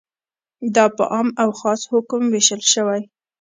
دا په عام او خاص حکم ویشل شوی.